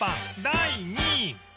第２位